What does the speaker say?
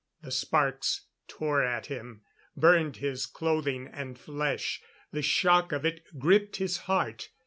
The sparks tore at him; burned his clothing and flesh; the shock of it gripped his heart.